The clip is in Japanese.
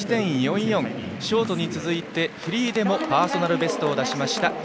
ショートに続いてフリーでもパーソナルベストを出しました。